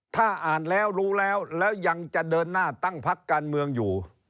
ถ้าอ่านแล้วรู้แล้วแล้วยังจะเดินหน้าตั้งพักการเมืองอยู่